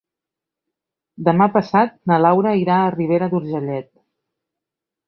Demà passat na Laura irà a Ribera d'Urgellet.